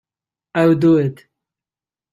I'll do it.